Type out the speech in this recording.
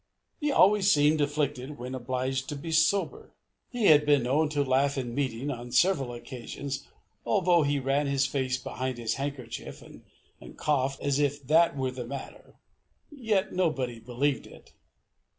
He always seemed afflicted when obliged to be sober. He had been known to laugh in meeting on several occasions, although he ran his face behind his handkerchief, and coughed, as if that was the matter, yet nobody believed it.